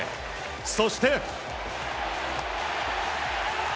そして。